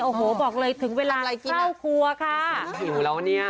โอ้โหบอกเลยถึงเวลาขี้เข้าครัวค่ะหิวแล้วเนี่ย